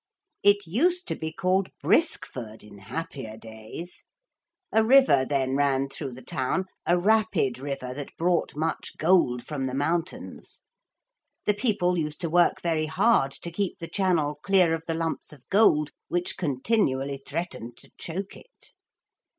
It used to be called Briskford in happier days. A river then ran through the town, a rapid river that brought much gold from the mountains. The people used to work very hard to keep the channel clear of the lumps of gold which continually threatened to choke it.